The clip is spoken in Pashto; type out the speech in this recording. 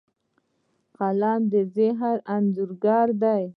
قلم د ذهن انځورګر دی